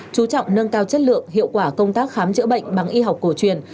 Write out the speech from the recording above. chú trọng nâng cao chất lượng hiệu quả công tác khám chữa bệnh bằng y học cổ truyền